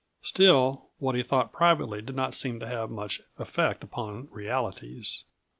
Still, what he thought privately did not seem to have much effect upon realities.